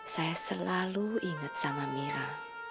saya selalu ingat sama mira